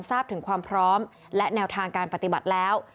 ทราบถึงความพร้อมและแนวทางการปฏิบัติแล้ว